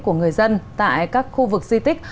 của người dân tại các khu vực di tích